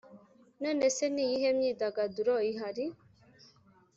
None se ni iyihe myidagaduro ihari